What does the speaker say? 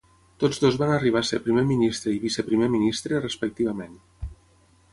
Tots dos van arribar a ser Primer Ministre i Viceprimer Ministre, respectivament.